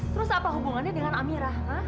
terus apa hubungannya dengan amirah